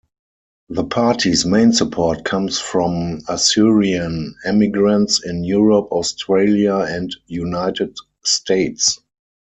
The party's main support comes from Assyrian emigrants in Europe, Australia and United States.